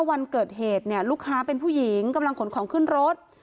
วันเกิดเหตุเนี่ยลูกค้าเป็นผู้หญิงกำลังขนของขึ้นรถ